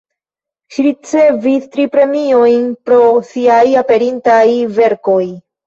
Ŝi ricevis tri premiojn pro siaj aperintaj verkoj.